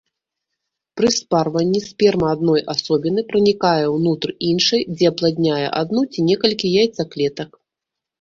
Пры спарванні сперма адной асобіны пранікае ўнутр іншай, дзе апладняе адну ці некалькі яйцаклетак.